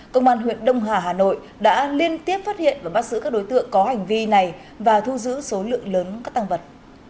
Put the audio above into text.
công an huyện đông hà hà nội đã liên tiếp phát hiện và bắt giữ các đối tượng có hành vi này và thu giữ số lượng lớn các tăng vật